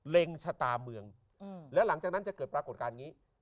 ชะตาเมืองแล้วหลังจากนั้นจะเกิดปรากฏการณ์อย่างนี้